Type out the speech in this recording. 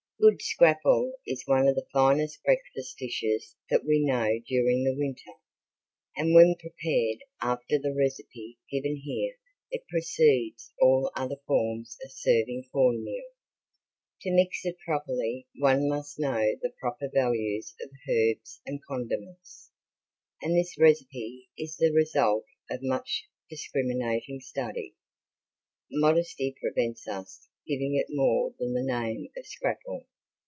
Good scrapple is one of the finest breakfast dishes that we know during the winter, and when prepared after the recipe given here it precedes all other forms of serving corn meal. To mix it properly one must know the proper values of herbs and condiments, and this recipe is the result of much discriminating study. Modesty prevents us giving it more than the name of "scrapple."